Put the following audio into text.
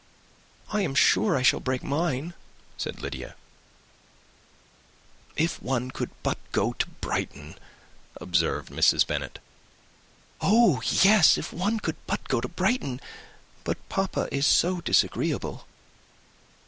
"I am sure I shall break mine," said Lydia. "If one could but go to Brighton!" observed Mrs. Bennet. "Oh yes! if one could but go to Brighton! But papa is so disagreeable."